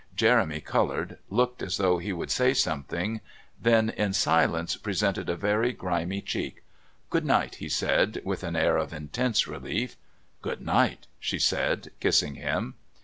Jeremy coloured, looked as though he would say something, then, in silence, presented a very grimy cheek. "Good night," he said, with an air of intense relief. "Good night," she said, kissing him.